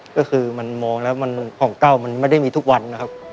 ก็คือมันมองแล้วของเต้ามันไม่ได้มีทุกวันนะครับ